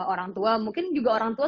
orang tua mungkin juga orang tua